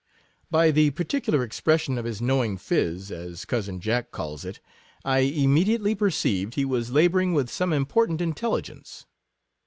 By the particular ex pression of his knowing phiz, as cousin Jack calls it, I immediately perceived he was la bouring with some important intelligence.